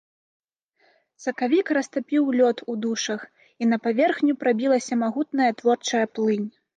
Сакавік растапіў лёд у душах, і на паверхню прабілася магутная творчая плынь.